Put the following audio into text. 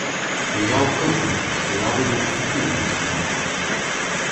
І я ўпэўнены, што я буду эфектыўным кіраўніком.